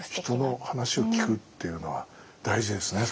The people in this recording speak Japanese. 人の話を聞くっていうのは大事ですね